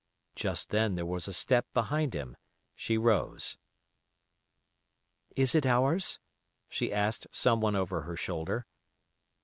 Just then there was a step behind him. She rose. "Is it ours?" she asked someone over her shoulder.